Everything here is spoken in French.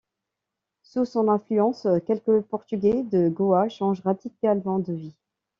Sous son influence, quelques Portugais de Goa changent radicalement de vie.